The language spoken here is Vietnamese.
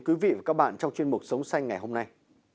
quý vị và các bạn trong chuyên mục sống xanh ngày hôm nay